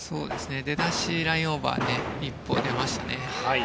出だし、ラインオーバー１歩出ましたね。